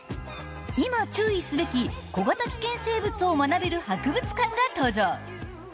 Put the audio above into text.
今、注意すべき小型危険生物を学べる博物館が登場。